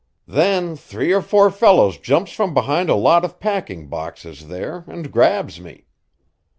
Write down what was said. Then three or four fellows jumps from behind a lot of packing boxes there, and grabs me.